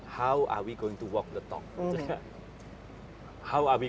bagaimana kita akan melakukan perbicaraan ini